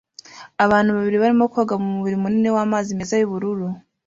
Abantu babiri barimo koga mumubiri munini wamazi meza yubururu